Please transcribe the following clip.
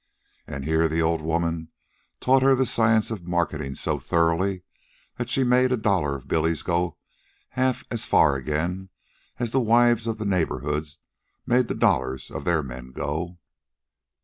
And here the old woman taught her the science of marketing so thoroughly that she made a dollar of Billy's go half as far again as the wives of the neighborhood made the dollars of their men go.